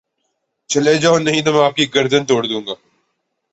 چلے جاؤ نہیں تو میں آپ کی گردن تڑ دوں گا